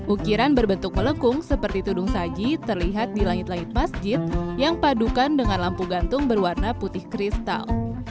ukiran berbentuk melekung seperti tudung saji terlihat di langit langit masjid yang padukan dengan lampu gantung berwarna putih kristal